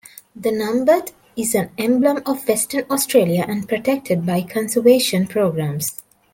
The numbat is an emblem of Western Australia and protected by conservation programs.